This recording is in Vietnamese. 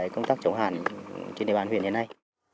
công tác chống hạn trên địa bàn huyện hiện nay